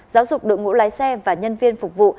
giáo dục đội ngũ lái xe và nhân viên phục vụ